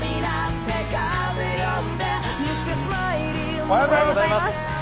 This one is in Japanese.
おはようございます。